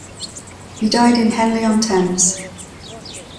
He died in Henley-on-Thames.